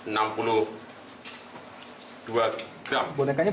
bonekanya punya siapa ini